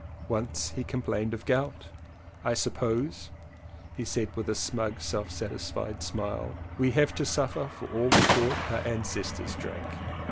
Once he complained of gout. "I suppose," he said with a smug self satisfied smile, "we have to suffer for all the port our ancestors drank."